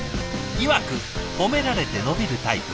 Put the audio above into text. いわく褒められて伸びるタイプ。